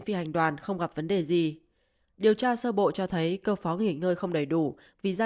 phi hành đoàn không gặp vấn đề gì điều tra sơ bộ cho thấy cơ phó nghỉ ngơi không đầy đủ vì gia